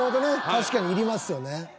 確かにいりますよね。